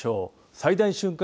最大瞬間